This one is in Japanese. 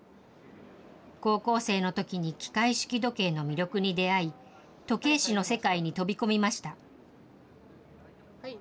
高校生のときに機械式時計の魅力に出会い、時計師の世界に飛び込みました。